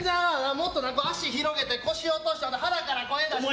もっと足広げて腰落として腹から声出して。